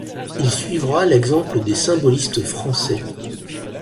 Il suivra l'exemple des symbolistes français.